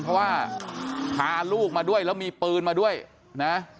เพราะว่าพาลูกมาด้วยแล้วมีปืนมาด้วยนะ